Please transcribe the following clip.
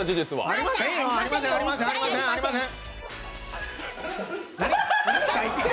ありません、ありません。